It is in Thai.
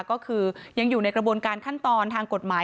ก็คือยังอยู่ในกระบวนการขั้นตอนทางกฎหมาย